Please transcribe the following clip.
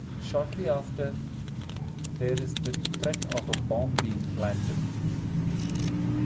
Shortly after, there is the threat of a bomb being planted.